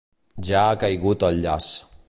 Ja ha caigut al llaç.